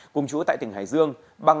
cùng chú tại tỉnh hải dương